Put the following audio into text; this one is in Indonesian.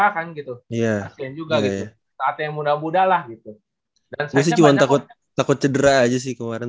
kan gitu iya kasihan juga gitu saatnya muda muda lah gitu dan saya sih cuma takut takut cedera aja sih kemarin